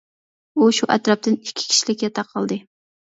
ئۇ شۇ ئەتراپتىن ئىككى كىشىلىك ياتاق ئالدى.